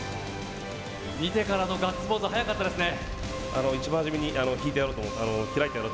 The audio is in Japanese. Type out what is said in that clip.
見てからのガッツポーズ早かったですね。